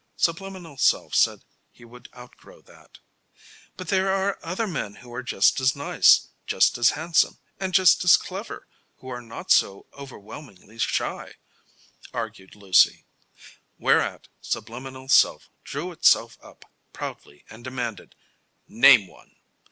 Subliminal self said he would outgrow that. "But there are other men who are just as nice, just as handsome, and just as clever, who are not so overwhelmingly shy," argued Lucy. Whereat subliminal self drew itself up proudly and demanded: "Name one!"